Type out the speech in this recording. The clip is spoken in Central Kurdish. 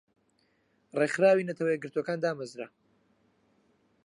رێکخراوی نەتەوە یەکگرتوەکان دامەزرا